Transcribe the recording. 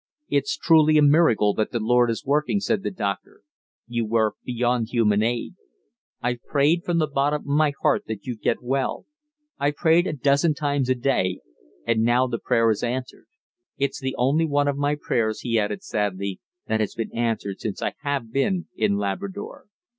"It's truly a miracle that the Lord is working," said the doctor. "You were beyond human aid. I've prayed from the bottom of my heart that you'd get well. I've prayed a dozen times a day, and now the prayer is answered. It's the only one of my prayers," he added sadly, "that has been answered since I have been in Labrador."